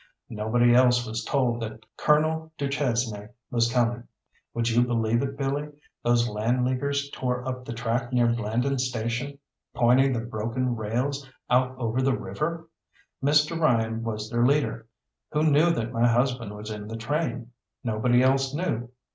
Nobody else was told that Colonel du Chesnay was coming. Would you believe it, Billy, those Land Leaguers tore up the track near Blandon Station, pointing the broken rails out over the river! Mr. Ryan was their leader, who knew that my husband was in the train. Nobody else knew.